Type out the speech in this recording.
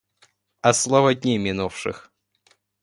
О слава дней минувших!